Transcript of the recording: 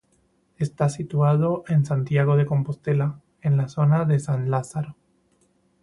Está situado en Santiago de Compostela, en la zona de San Lázaro.